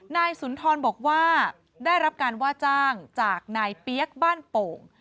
นายสุนทรบอกว่าได้รับการว่าจ้างจากนายเปี๊ยกบ้านโป่ง